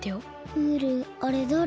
ムールあれだれ？